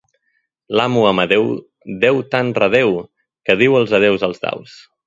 L'amo Amadeu deu tant, redeu!, que diu els adeus als daus.